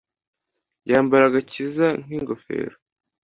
Yambara agakiza nk ingofero